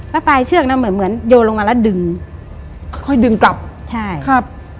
แล้วปลายเชือกนั้นเหมือนเหมือนโยนลงมาแล้วดึงค่อยดึงกลับใช่ครับ